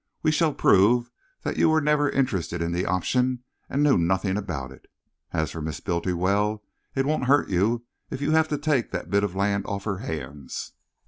"We shall prove that you were never interested in the option and knew nothing about it. As for Miss Bultiwell, it won't hurt you if you have to take that bit of land off her hands."